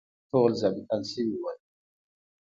ټول ظابیطان شوي وو.